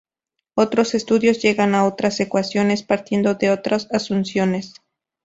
Otros estudios llegan a otras ecuaciones partiendo de otras asunciones.